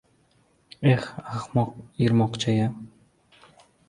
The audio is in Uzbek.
“Eh, ahmoq irmoqcha-ya!